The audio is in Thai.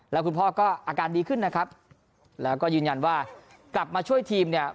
แล้วคุณพ่อก็อาการดีขึ้นนะครับแล้วก็ยืนยันว่ากลับมาช่วยทีมเนี่ย